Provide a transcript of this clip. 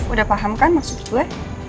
udah paham kan maksud gue